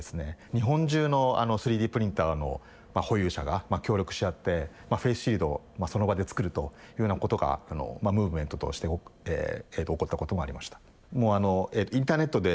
日本中の３Ｄプリンターの保有者が協力し合ってフェイスシールドをその場で作るというようなことがムーブメントとして起こったこともありました。